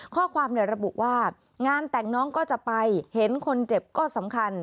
ข้อความระบุว่างานแต่งน้องก็จะไปเห็นคนเจ็บก็สำคัญ